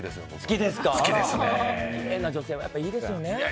きれいな女性はいいですよね。